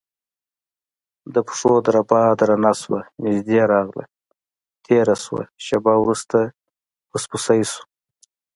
د پښو دربا درنه شوه نږدې راغله تیره شوه شېبه وروسته پسپسی شو،